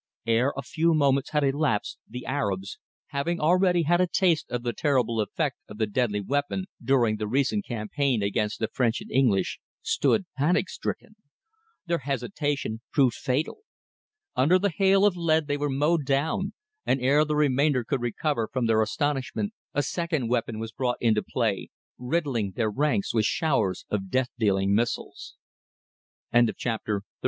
Ere a few moments had elapsed the Arabs, having already had a taste of the terrible effect of the deadly weapon during the recent campaign against the French and English, stood panic stricken. Their hesitation proved fatal. Under the hail of lead they were mowed down, and ere the remainder could recover from their astonishment a second weapon was brought into play, riddling their ranks with showers of death dealing missiles. CHAPTER XXXIII.